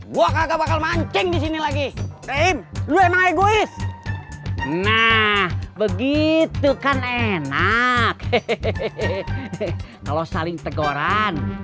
gua kagak bakal mancing di sini lagi rem dua egois nah begitu kan enak hehehe kalau saling teguran